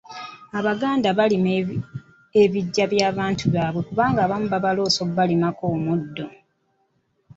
Abaganda barima ebiggya by'abantu byabye kubanga abamu babaloosa okubalimako omuddo.